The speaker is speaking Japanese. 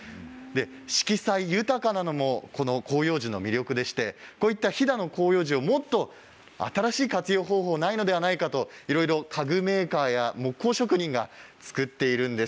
色彩豊かなのも広葉樹の魅力でしてこうした飛騨の広葉樹、もっと新しい活用方法あるのではないかと家具メーカーや木工職人が作っているんです。